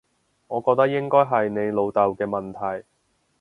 我覺得應該係你老豆嘅問題